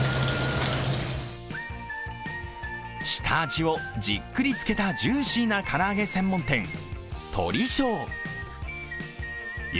下味をじっくり漬けたジューシーな唐揚げ専門店、鶏笑。